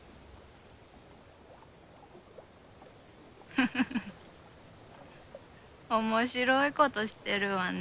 フフフおもしろいことしてるわね。